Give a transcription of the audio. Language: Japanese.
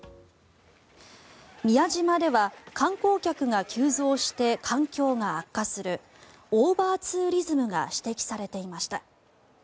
宮島では観光客が急増して環境が悪化するオーバーツーリズムが指摘されていました。